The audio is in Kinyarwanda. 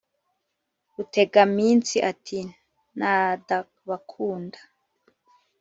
” rutegaminsi ati: “nadabakunda